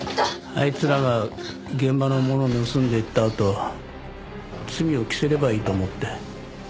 あいつらが現場のものを盗んでいったあと罪を着せればいいと思って。